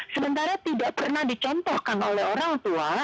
sementara tidak pernah dicontohkan oleh orang tua